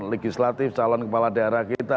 legislatif calon kepala daerah kita